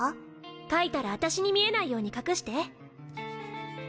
書いたら私に見えないように隠して。